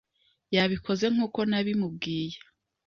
Yabikoze nkuko nabimubwiye.